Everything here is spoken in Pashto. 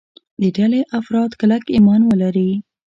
د ډلې افراد کلک ایمان ولري.